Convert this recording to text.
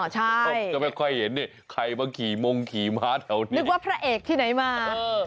ใช่ก็ไม่ค่อยเห็นนี่ใครมาขี่มงขี่ม้าแถวนี้นึกว่าพระเอกที่ไหนมา